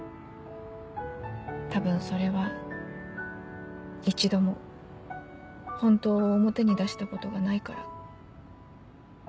多分それは一度も「本当」を表に出したことがないから。